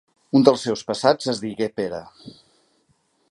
Un dels seus passats es digué Pere.